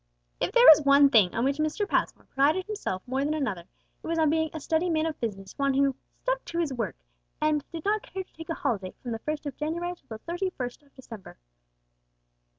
If there was one thing on which Mr. Passmore prided himself more than another, it was on being a steady man of business, one "who stuck to his work, and did not care to take a holiday from the first of January till the thirty first of December."